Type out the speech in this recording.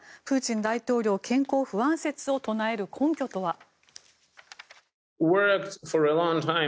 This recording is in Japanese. プーチン大統領、健康不安説を唱える根拠とは。